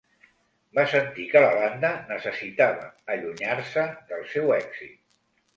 Va sentir que la banda necessitava allunyar-se del seu èxit.